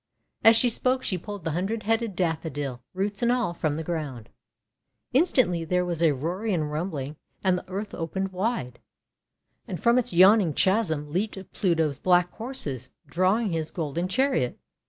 5 As she spoke she pulled the Hundred Headed Daffodil, roots and all, from the ground. In stantly there was a roaring and a rumbling and the earth opened wide. And from its yawning chasm leaped Pluto's black horses, drawing his golden chariot.